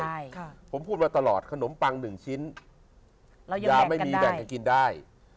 ใช่ค่ะผมพูดมาตลอดขนมปังหนึ่งชิ้นเรายังแบ่งกันได้ยาไม่มีแบ่งกับกินได้